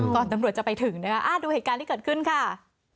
ตำรวจจะไปถึงนะคะดูเหตุการณ์ที่เกิดขึ้นค่ะ